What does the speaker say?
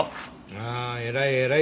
あ偉い偉い。